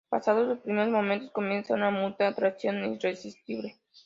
Pasados los primeros momentos, comienza una mutua atracción irresistible.